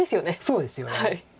そうですよね。